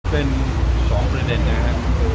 เป็น๒ประเด็นนะครับ